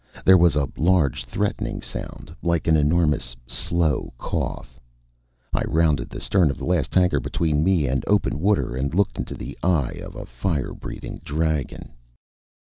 There was a large, threatening sound, like an enormous slow cough. I rounded the stern of the last tanker between me and open water, and looked into the eye of a fire breathing dragon.